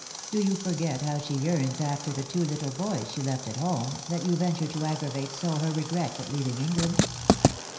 Do you forget how she yearns after the two little boys she left at home, that you venture to aggravate so her regrets at leaving England